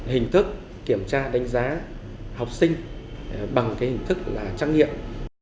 hình thức kiểm tra đánh giá học sinh bằng cái hình thức là trắc nghiệm